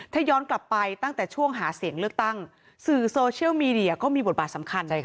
ถ้าย้อนกลับไปตั้งแต่ช่วงหาเสียงเลือกตั้งสื่อโซเชียลมีเดียก็มีบทบาทสำคัญ